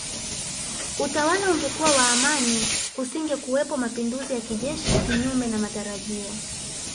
Utawala ungekuwa wa amani kusingekuwepo mapinduzi ya kijeshi Kinyume na matarajio